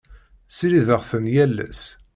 Ssirideɣ-ten yal ass.